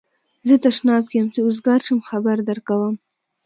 زه تشناب کی یم چی اوزګار شم خبر درکوم